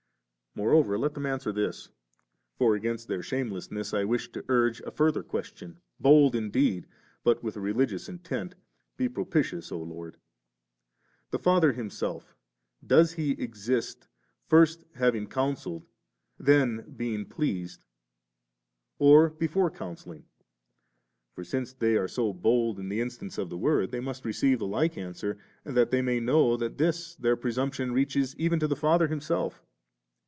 Moreover let them answer us this:— (for against their shamelessness I wish to urge a further question, bold indeed, but with a reli gious intent; be propitious, O Lord'l) — the Father Himself, does He exist, first naving counselled, then being pleased, or before counselling? For since they are so bold in the instance of the Word, they must receive the like answer, that they may know that this their presumption reaches even to the Father Himself.